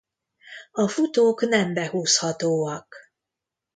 A futók nem behúzhatóak.